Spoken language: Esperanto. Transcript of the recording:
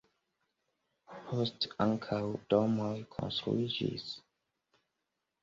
Poste ankaŭ domoj konstruiĝis.